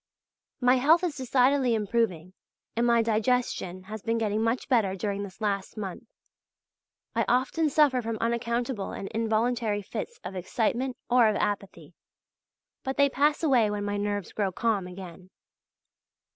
My health is decidedly improving and my digestion has been getting much better during this last month. I often suffer from unaccountable and involuntary fits of excitement or of apathy; but they pass away when my nerves grow calm again.